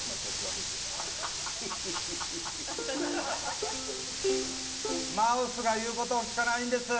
ただ、突然マウスが言うことをきかないんですよ。